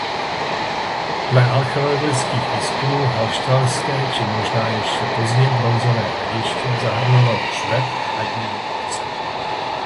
Dle archeologických výzkumů halštatské či možná již pozdně bronzové hradiště zahrnovalo hřbet Hradního kopce.